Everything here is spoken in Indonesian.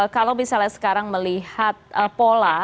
kalau misalnya sekarang melihat pola